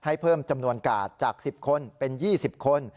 เพิ่มจำนวนกาดจาก๑๐คนเป็น๒๐คน